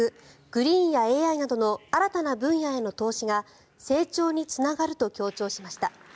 グリーンやＡＩなどの新たな分野への投資が成長につながると強調しました。